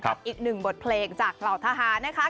อีกหนึ่งบทเพลงจากเหล่าทหารนะคะ